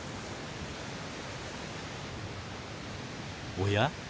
おや？